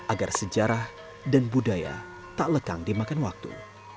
agar sejarah dan budaya tak lekang dimakan waktu